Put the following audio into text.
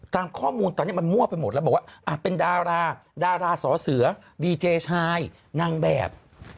ตามข้อมูลตอนนี้มันมั่วไปหมดแล้วบอกว่าเป็นดาราดาราสอเสือดีเจชายนางแบบ